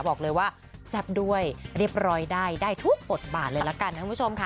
บอกเลยว่าแซ่บด้วยเรียบร้อยได้ได้ทุกบทบาทเลยละกันนะคุณผู้ชมค่ะ